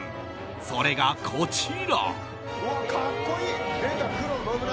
それがこちら。